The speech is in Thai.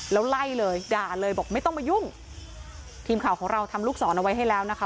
แล้วไล่เลยด่าเลยบอกไม่ต้องมายุ่งทีมข่าวของเราทำลูกศรเอาไว้ให้แล้วนะคะ